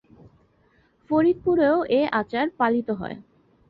ফরিদপুরেও এ আচার পালিত হয়।